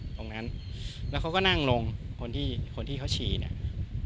ตรงนั้นแล้วเขาก็นั่งลงคนที่คนที่เขาฉี่เนี่ย